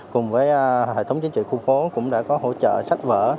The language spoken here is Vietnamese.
cùng với hệ thống chính trị khu phố cũng đã có hỗ trợ sách vở